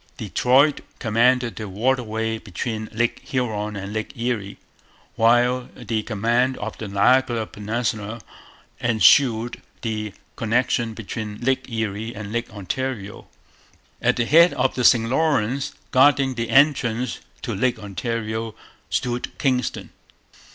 Detroit commanded the waterway between Lake Huron and Lake Erie; while the command of the Niagara peninsula ensured the connection between Lake Erie and Lake Ontario. At the head of the St Lawrence, guarding the entrance to Lake Ontario, stood Kingston.